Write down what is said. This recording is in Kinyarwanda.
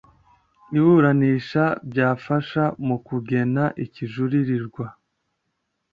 iburanisha byafasha mu kugena ikijuririrwa